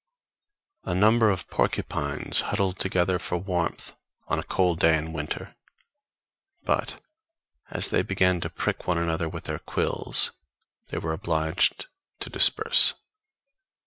A number of porcupines huddled together for warmth on a cold day in winter; but, as they began to prick one another with their quills, they were obliged to disperse.